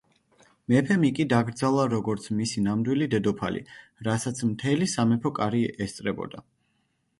მეფემ იგი დაკრძალა როგორც მისი ნამდვილი დედოფალი, რასაც მთელი სამეფო კარი ესწრებოდა.